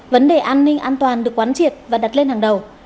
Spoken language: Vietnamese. vấn đề an ninh an toàn được quán triệt và đặt lên hàng đầu